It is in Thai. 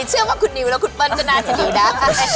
เชื่อว่าคุณนิวและคุณเปิ้ลก็น่าจะอยู่ได้